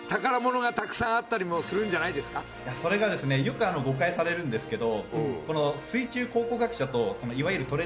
それがですねよく誤解されるんですけど。